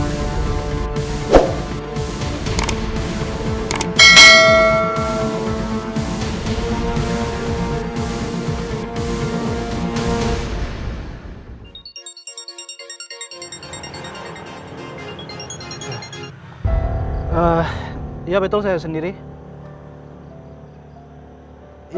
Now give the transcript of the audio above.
eh ya betul saya sendiri